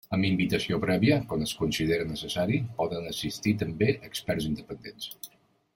Amb invitació prèvia, quan es considere necessari, poden assistir també experts independents.